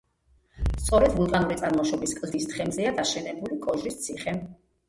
სწორედ ვულკანური წარმოშობის კლდის თხემზეა დაშენებული კოჟრის ციხე.